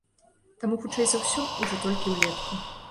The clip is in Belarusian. Таму, хутчэй за ўсё, ужо толькі ўлетку.